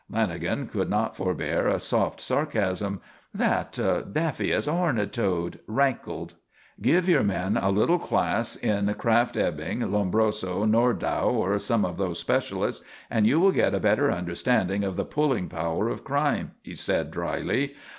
Lanagan could not forbear a soft sarcasm. That "daffy as a horned toad" rankled: "Give your men a little class in Kraft Ebing, Lombroso, Nordau or some of those specialists and you will get a better understanding of the pulling power of crime," he said, dryly.